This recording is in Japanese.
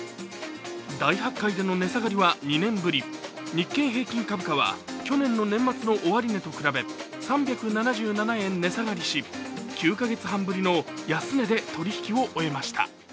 大発会での値下がりは２年ぶり、日経平均株価は去年の年末の終値と比べ３７７円値下がりし９か月半ぶりの安値で取り引きを終えました。